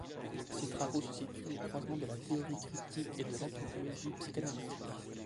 Ses travaux se situent au croisement de la théorie critique et de l’anthropologie psychanalytique.